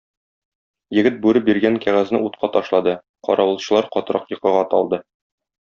Егет бүре биргән кәгазьне утка ташлады, каравылчылар катырак йокыга талды.